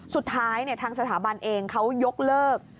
สุดท้ายทางสถาบันเองเขายกเลิก